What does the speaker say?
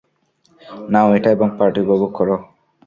নাও এটা, এবং পার্টি উপভোগ করো!